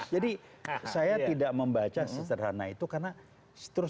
jadi saya tidak membaca sesederhana itu karena seterusnya